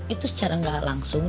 itu secara ga langsung